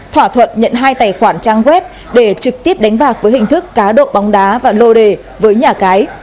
thỏa thuận nhận hai tài khoản trang web để trực tiếp đánh bạc với hình thức cá độ bóng đá và lô đề với nhà cái